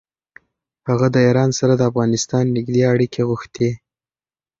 هغه د ایران سره د افغانستان نېږدې اړیکې غوښتې.